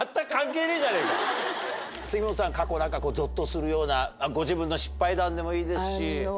杉本さん過去何かゾッとするようなご自分の失敗談でもいいですし。